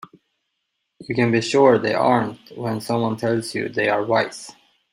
You can be sure that they aren't when someone tells you they are wise.